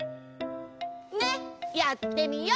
ねっやってみよ！